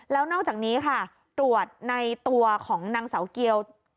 แล้วนอกจากนี้ค่ะตรวจในตัวของนางเสาเกียว